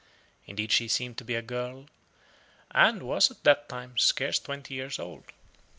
Indeed she seemed to be a girl, and was at that time scarce twenty years old.